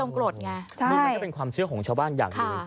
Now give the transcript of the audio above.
นี่มันก็เป็นความเชื่อของชาวบ้านอย่างหนึ่ง